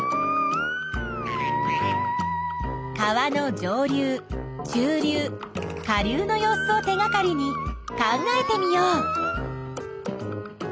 川の上流中流下流の様子を手がかりに考えてみよう。